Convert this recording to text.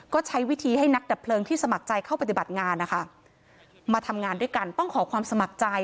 ก็ใช้วิธีให้นักดับเพลิงที่สมัครใจเข้าปฏิบัติงานนะคะมาทำงานด้วยกันต้องขอความสมัครใจ